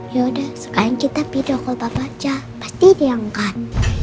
yaudah sekarang kita pindah call papa aja pasti dia angkat